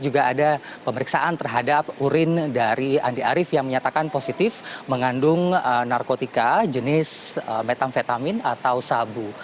juga ada pemeriksaan terhadap urin dari andi arief yang menyatakan positif mengandung narkotika jenis metamfetamin atau sabu